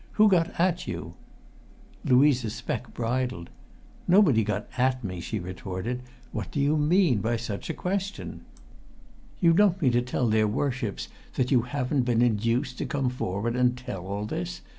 "Who got at you?" Louisa Speck bridled. "Nobody got at me!" she retorted. "What do you mean by such a question?" "You don't mean to tell their Worships that you haven't been induced to come forward and tell all this?"